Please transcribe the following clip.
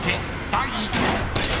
第１問］